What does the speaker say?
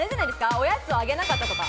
おやつをあげなかったとか？